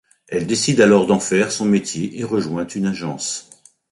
Elle décide alors d'en faire son métier et rejoint une agence.